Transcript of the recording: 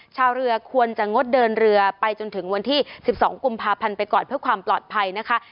ชาวเรือควรจะงดเดินเรือไปจนถึงวันที่๑๒กุมภาพันธ์ไปก่อนเพื่อความปลอดภัยนะคะ